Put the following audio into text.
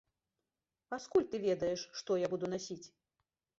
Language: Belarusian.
А скуль ты ведаеш, што я буду насіць?